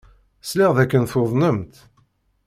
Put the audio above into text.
Sliɣ dakken tuḍnemt.